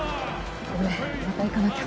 ごめんまた行かなきゃ。